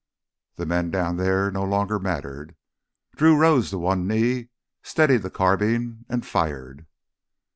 The men down there no longer mattered. Drew rose to one knee, steadied the carbine, and fired.